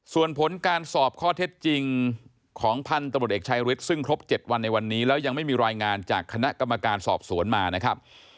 ส่วนผลการสอบข้อเท็จจริงของพันธุ์ตำรวจเอกชายฤทธิ์ซึ่งครบ๗วันในวันนี้แล้วยังไม่มีรายงานจากคณะกรรมการสอบสวนมานะครับ